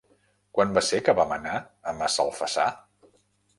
Quan va ser que vam anar a Massalfassar?